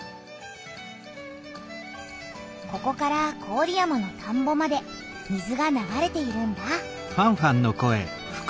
ここから郡山の田んぼまで水が流れているんだ。